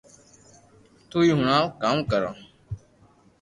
تو ئي ھڻاو ڪاو ڪرو